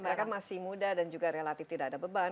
mereka masih muda dan juga relatif tidak ada beban